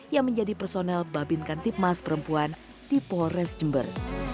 yang menjadi personel babinkan tipmas perempuan di polres jember